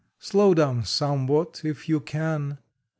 Slow down somewhat if you can.